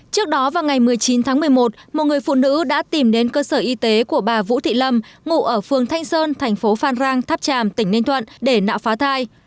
trước đó vào ngày một mươi chín tháng một mươi một một người phụ nữ đã tìm đến cơ sở y tế của bà vũ thị lâm ngụ ở phường thanh sơn thành phố phan rang tháp tràm tỉnh ninh thuận để nạo phá thai